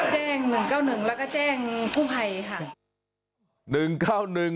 แจ้ง๑๙๑แล้วก็แจ้งกู้ภัยค่ะ